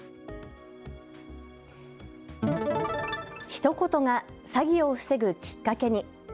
ひと言が詐欺を防ぐきっかけに。